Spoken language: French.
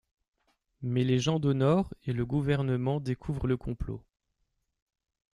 Mais les gens d'Honor et le gouvernement découvrent le complot.